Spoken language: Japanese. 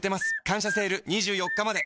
「感謝セール」２４日まで